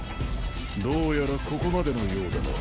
どうやらここまでのようだな。